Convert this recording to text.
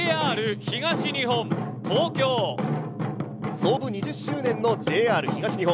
創部２０周年のＪＲ東日本。